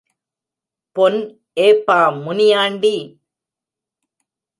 பொன் ஏப்பா முனியாண்டி!